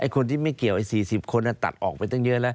คนที่ไม่เกี่ยว๔๐คนตัดออกไปตั้งเยอะแล้ว